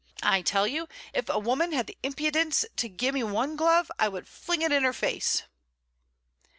I tell you, if a woman had the impidence to gie me one glove, I would fling it in her face."